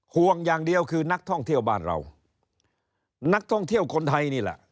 ห่วงอย่างเดียวคือนักท่องเที่ยวบ้านเรานักท่องเที่ยวคนไทยนี่แหละ